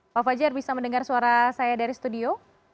pak fajar bisa mendengar suara saya dari studio